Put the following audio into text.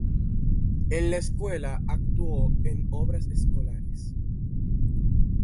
En la escuela, actuó en obras escolares.